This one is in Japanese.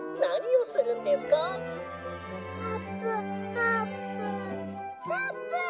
あーぷん」。